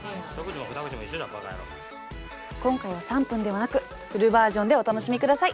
今回は３分ではなくフルバージョンでお楽しみ下さい。